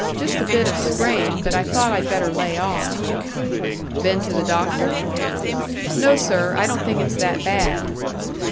Just a bit of sprain, but I thought I'd better lay off." "Been to the doctor?" "No, sir. I don't think it's that bad."